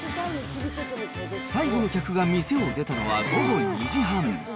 最後の客が店を出たのは午後２時半。